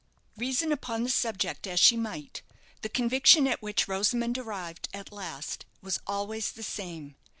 Reason upon the subject as she might, the conviction at which Rosamond arrived at last was always the same.